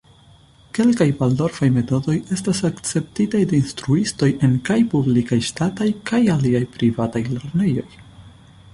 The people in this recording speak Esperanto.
Kelkaj valdorfaj metodoj estas akceptitaj de instruistoj en kaj publikaj-ŝtataj kaj aliaj privataj lernejoj.